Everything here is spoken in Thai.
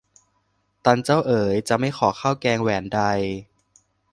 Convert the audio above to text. ตันเจ้าเอ๋ย จะไม่ขอข้าวแกงแหวนใด